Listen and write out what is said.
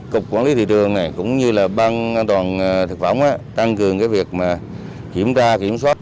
cục quản lý thị trường cũng như ban an toàn thực phẩm tăng cường việc kiểm tra kiểm soát